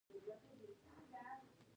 د ټیکنالوژۍ او پرمختللې جګړې لپاره